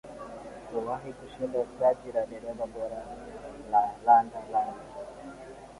kuwahi kushinda taji la dereva bora la landa langa